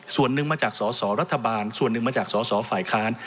ส่วนหนึ่งมาจากสอสอรัฐบาลส่วนหนึ่งมาจากสอสอฝ่ายค้าน